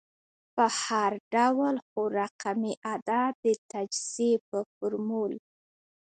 په هر ډول څو رقمي عدد د تجزیې په فورمول